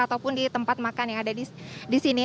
ataupun di tempat makan yang ada di sini